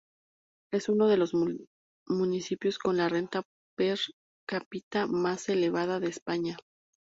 Es uno de los municipios con la renta per cápita más elevada de España.